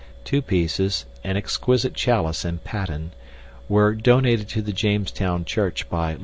Two pieces, an exquisite chalice and paten, were donated to the Jamestown church by Lt.